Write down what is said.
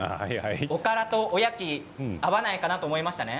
おからとおやき合わないかなと思いましたね？